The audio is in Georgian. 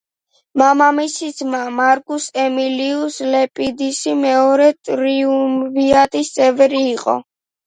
მამამისის ძმა, მარკუს ემილიუს ლეპიდუსი მეორე ტრიუმვირატის წევრი იყო.